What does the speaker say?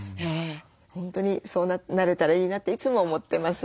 本当にそうなれたらいいなっていつも思ってます。